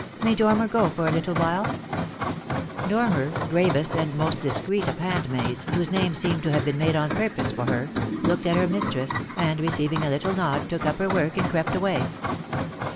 May Dormer go for a little while T' Dormer, gravest and most discreet of handmaids, whose name seemed to have been made on purpose for her, looked at her mistress, and receiving a little nod, took up her work and crept away.